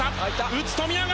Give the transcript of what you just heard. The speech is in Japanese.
打つ富永！